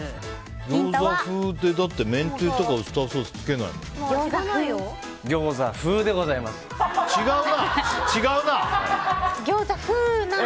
ギョーザ風ってめんつゆとか、ウスターソースはつけないもん。